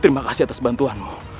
terima kasih atas bantuanmu